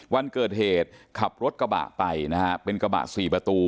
วันเกิดเหตุขับรถกระบะไปนะฮะเป็นกระบะสี่ประตู